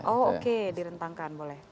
nah oke direntangkan boleh